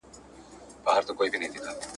زه د عالم غوندې خدای نه پېژنم